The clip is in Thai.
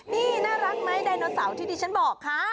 นี่น่ารักไหมไดโนเสาร์ที่ดิฉันบอกค่ะ